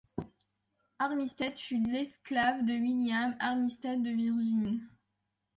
Armistead fut l'esclave de William Armistead de Virginie.